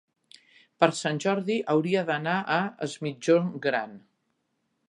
Per Sant Jordi hauria d'anar a Es Migjorn Gran.